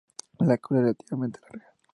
La cola es relativamente larga.